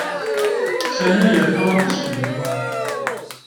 Sami yerfa aṭas fell-i.